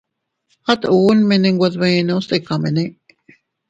At unne mene nwe dbenotos tikamene.